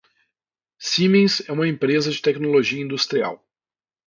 Siemens é uma empresa de tecnologia industrial.